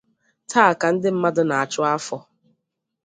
Taa ka ndi mmadu na-achu afo